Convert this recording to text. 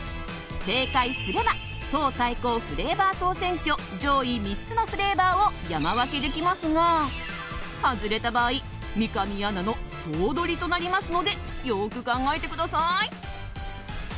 正解すれば党対抗フレーバー総選挙上位３つのフレーバーを山分けできますが外れた場合三上アナの総取りとなりますのでよーく考えてください。